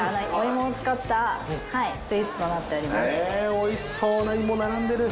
おいしそうな芋並んでる。